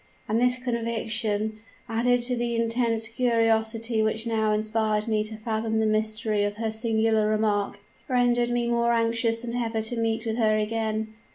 And this conviction, added to the intense curiosity which now inspired me to fathom the mystery of her singular remark, rendered me more anxious than ever to meet with her again.